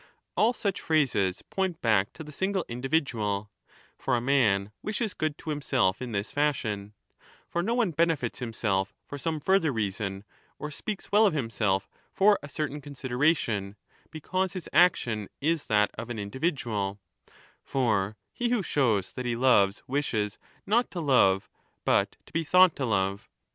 All such phrases point back to the single individual ; for a man wishes good to himself' in this fashion ; for no one benefits himself for 5 some further reason or speaks well of himself for a certain consideration, because his action is that of an individual ;* for he who shows that he loves wishes not to love but to be thought to love.